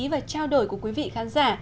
và trao đổi của quý vị khán giả